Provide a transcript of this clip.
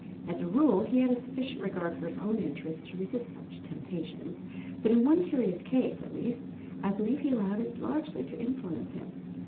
As a rule, he had a sufficient regard for his own interests to resist such temptations, but in one curious case, at least, I believe he allowed it largely to influence him.